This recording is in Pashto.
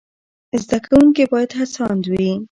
زده کوونکي باید هڅاند وي.